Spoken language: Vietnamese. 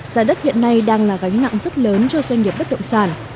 giá đất hiện nay đang là gánh nặng rất lớn cho doanh nghiệp bất động sản